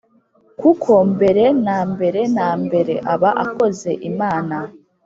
kuko mbere na mbere na mbere aba akoze imana